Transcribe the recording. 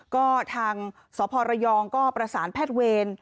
ก็ทางสพระยองก็ประสานแพทย์เวร